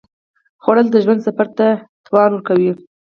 خوړل د ژوند سفر ته توان ورکوي